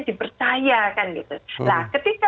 dipercayakan nah ketika